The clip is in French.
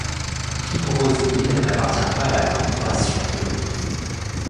Primrose Hill n'appartient pas à la Corporation de Londres.